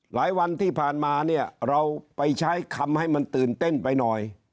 หลายวันที่ผ่านมาเนี่ยเราไปใช้คำให้มันตื่นเต้นไปหน่อย